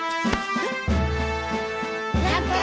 えっ？